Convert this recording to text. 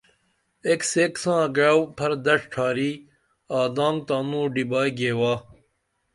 ایک سیک ساں گعئو پھر دش ڇھاری آدانگ تانوں ڈیبائی گیوا